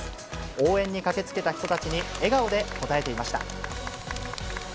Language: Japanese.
応援に駆けつけた人たちに笑顔で応えていました。